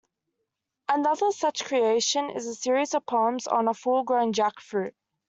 Another such creation is a series of poems on a full-grown jackfruit.